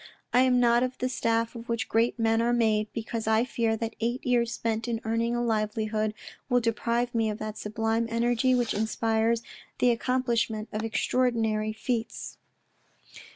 " I am not of the stuff of which great men are made, because I fear that eight years spent in earning a livelihood will deprive me of that sublime energy which inspires the accomplishment of extraordinary feats."